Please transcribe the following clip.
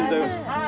はい。